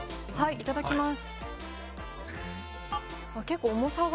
いただきます。